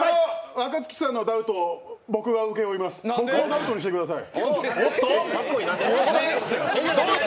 若槻さんのダウト僕が請け負います、僕をダウトにしてください。